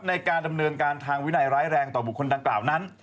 ในการดำเนินการทางวินัยร้ายแรงต่อบุคคลดังกล่าวนั้น